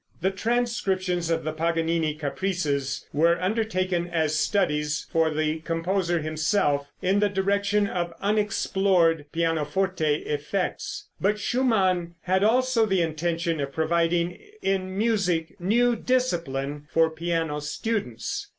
The transcriptions of the Paganini caprices were undertaken as studies for the composer himself in the direction of unexplored pianoforte effects, but Schumann had also the intention of providing in music new discipline for piano students.